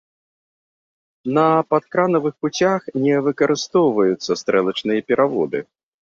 На падкранавых пуцях не выкарыстоўваюцца стрэлачныя пераводы.